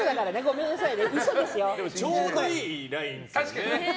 ちょうどいいラインですよね。